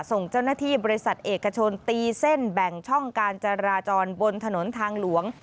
ส่งเจ้าหน้าที่บริษัทเอกชนตีเส้นแบ่งช่องการจราจรบนถนนทางหลวง